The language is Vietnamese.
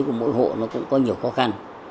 của mỗi hộ nó cũng có nhiều khó khăn